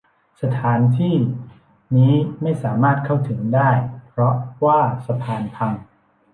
สถานที่นี้ไม่สามารถเข้าถึงได้เพราะว่าสะพานพัง